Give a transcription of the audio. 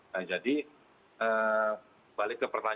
nah jadi balik ke pertanyaan